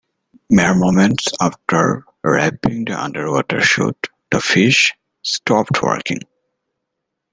Mere moments after wrapping the underwater shoot, the fish stopped working.